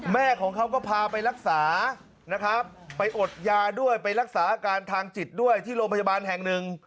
แม่ของเขาก็พาไปรักษานะครับไปอดยาด้วยไปรักษาอาการทางจิตด้วยที่โรงพยาบาลแห่งหนึ่ง